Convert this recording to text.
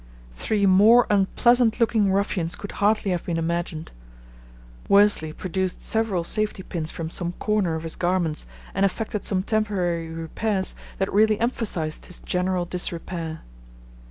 Three more unpleasant looking ruffians could hardly have been imagined. Worsley produced several safety pins from some corner of his garments and effected some temporary repairs that really emphasized his general disrepair.